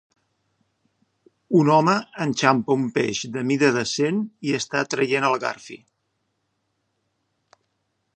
Un home enxampa un peix de mida decent i està traient el garfi.